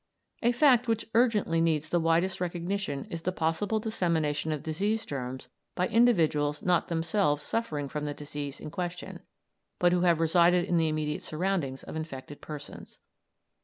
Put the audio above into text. A fact which urgently needs the widest recognition is the possible dissemination of disease germs by individuals not themselves suffering from the disease in question, but who have resided in the immediate surroundings of infected persons.